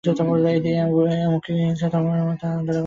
এমনি করে আমাদের দুজনের মধ্যে নতুন করে অন্তরঙ্গতা গড়ে উঠতে লাগল।